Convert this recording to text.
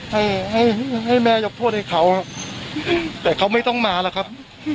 ให้ให้ให้แม่ยกโทษให้เขาแต่เขาไม่ต้องมาหรอกครับ